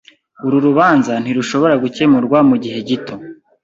Uru rubanza ntirushobora gukemurwa mugihe gito.